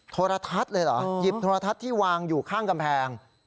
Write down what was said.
โทรทัศน์เลยเหรอหยิบโทรทัศน์ที่วางอยู่ข้างกำแพง